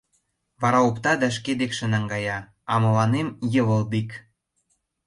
Вара опта да шке декше наҥгая, а мыланем — йывылдик...